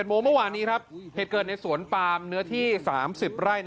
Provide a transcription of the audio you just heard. ออกเว่นปลื๊บ